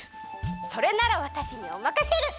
それならわたしにおまかシェル！